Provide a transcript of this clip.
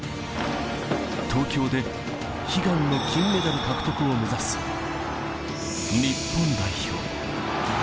東京で悲願の金メダル獲得を目指す日本代表。